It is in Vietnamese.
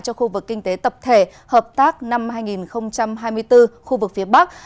cho khu vực kinh tế tập thể hợp tác năm hai nghìn hai mươi bốn khu vực phía bắc